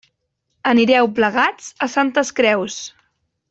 Anireu plegats a Santes Creus.